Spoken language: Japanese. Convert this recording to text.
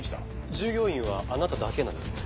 従業員はあなただけなんですね。